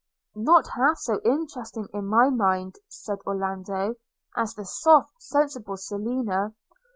'Not half so interesting in my mind,' said Orlando, 'as the soft, sensible Selina.'